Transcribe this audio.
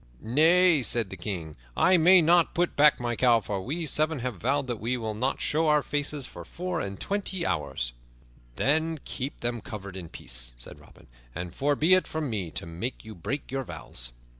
"Nay," said the King, drawing back, "I may not put back my cowl, for we seven have vowed that we will not show our faces for four and twenty hours." "Then keep them covered in peace," said Robin, "and far be it from me to make you break your vows."